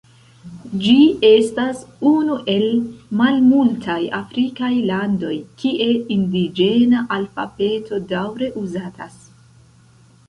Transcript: Ĝi estas unu el malmultaj afrikaj landoj, kie indiĝena alfabeto daŭre uzatas.